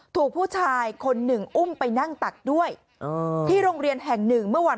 ถูกผู้ชายคนหนึ่งอุ้มไปนั่งตักด้วยที่โรงเรียนแห่งหนึ่งเมื่อวัน